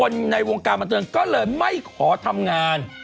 ในวงการบันเทิงก็เลยไม่ขอทำงาน